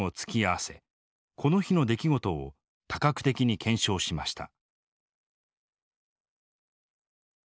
この日の出来事を多角的に検証しました。